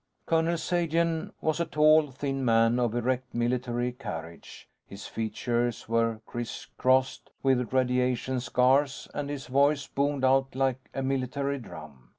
Colonel Sagen was a tall thin man of erect military carriage. His features were crisscrossed with radiation scars and his voice boomed out like a military drum.